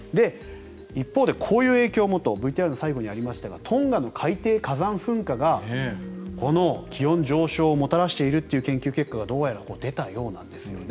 一方でこういう影響もとＶＴＲの最後にありましたがトンガの海底火山噴火がこの気温上昇をもたらしているという研究結果がどうやら出たようなんですね。